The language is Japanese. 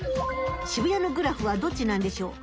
渋谷のグラフはどっちなんでしょう。